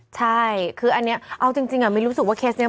ใช่คืออันนี้เอาจริงมิ้นรู้สึกว่าเคสนี้